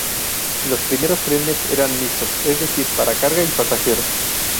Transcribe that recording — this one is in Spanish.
Los primeros trenes eran mixtos, es decir para carga y pasajeros.